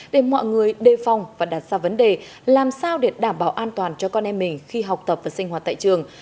để mọi người đề phòng và đặt ra vấn đề làm sao để đảm bảo an toàn cho con em mình khi học tập và sinh hoạt tại trường